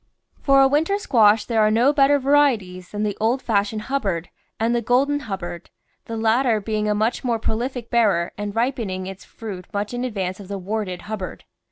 For a winter squash there are no better varieties than the old fashioned Hubbard and the Golden Hubbard, the latter being a much more prolific bearer and ripening its fruit much in advance of the warted Hubbard.